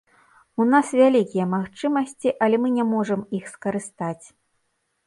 У нас вялікія магчымасці, але мы не можам іх скарыстаць.